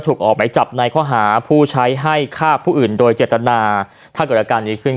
ออกไหมจับในข้อหาผู้ใช้ให้ฆ่าผู้อื่นโดยเจตนาถ้าเกิดอาการดีขึ้น